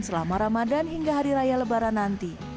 selama ramadan hingga hari raya lebaran nanti